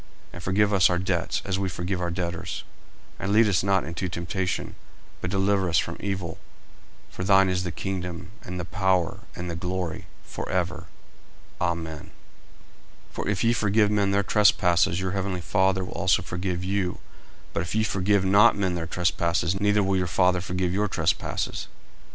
40:006:012 And forgive us our debts, as we forgive our debtors. 40:006:013 And lead us not into temptation, but deliver us from evil: For thine is the kingdom, and the power, and the glory, for ever. Amen. 40:006:014 For if ye forgive men their trespasses, your heavenly Father will also forgive you: 40:006:015 But if ye forgive not men their trespasses, neither will your Father forgive your trespasses.